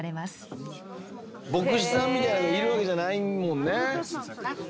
牧師さんみたいなのがいるわけじゃないもんね。